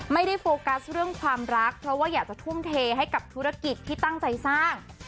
โฟกัสเรื่องความรักเพราะว่าอยากจะทุ่มเทให้กับธุรกิจที่ตั้งใจสร้าง